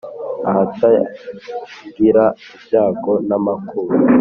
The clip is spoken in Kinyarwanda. Ahatagira ibyago namakuba